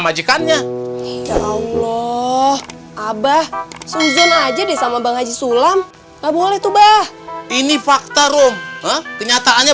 majikannya allah abah susan aja deh sama bang haji sulam nggak boleh tuh bah ini fakta rom kenyataannya